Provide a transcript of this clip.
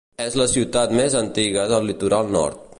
És la ciutat més antiga del litoral nord.